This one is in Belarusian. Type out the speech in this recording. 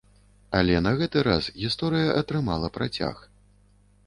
Але на гэты раз гісторыя атрымала працяг.